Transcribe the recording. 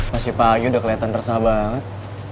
masih pagi udah kelihatan resah banget